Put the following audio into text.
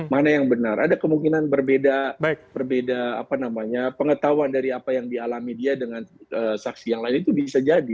mana yang benar ada kemungkinan berbeda pengetahuan dari apa yang dialami dia dengan saksi yang lain itu bisa jadi